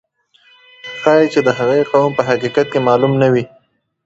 ښایي چې د هغې قوم په حقیقت کې معلوم نه وي.